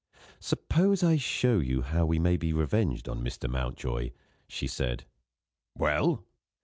"Suppose I show you how you may be revenged on Mr. Mountjoy," she said. "Well?"